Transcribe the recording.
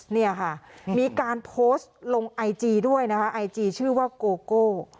เนี่ยค่ะมีการโพสต์ลงไอจีด้วยนะคะไอจีชื่อว่าโกโก้